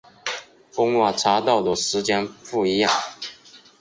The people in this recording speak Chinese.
跟我查到的时间不一样